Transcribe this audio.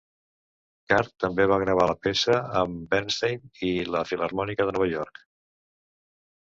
Karr també va gravar la peça amb Bernstein i la Filharmònica de Nova York.